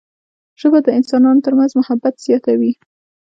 ژبه د انسانانو ترمنځ محبت زیاتوي